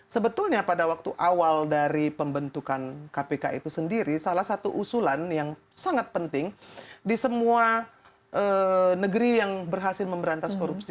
sebetulnya pada waktu awal dari pembentukan kpk itu sendiri salah satu usulan yang sangat penting di semua negeri yang berhasil memberantas korupsi